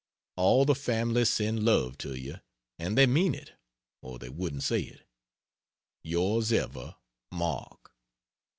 All the family send love to you and they mean it, or they wouldn't say it. Yours ever MARK.